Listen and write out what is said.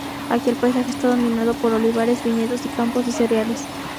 Aquí el paisaje está dominado por olivares, viñedos y campos de cereales.